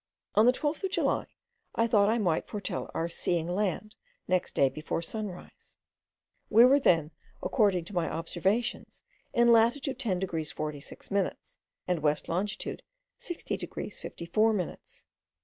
On the 12th of July, I thought I might foretell our seeing land next day before sunrise. We were then, according to my observations, in latitude 10 degrees 46 minutes, and west longitude 60 degrees 54 minutes.